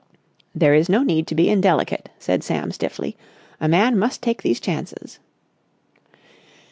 "There is no need to be indelicate," said Sam stiffly. "A man must take these chances."